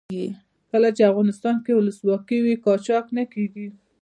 کله چې افغانستان کې ولسواکي وي قاچاق نه کیږي.